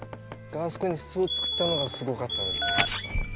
があそこに巣を作ったのがすごかったですね。